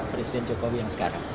baru yang sekarang